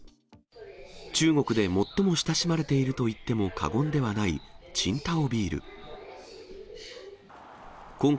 中国で最も親しまれているといっても過言ではない青島ビール。